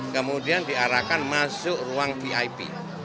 kemudian diarahkan masuk ruang vip